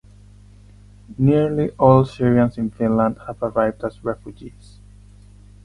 Nearly all Syrians in Finland have arrived as refugees.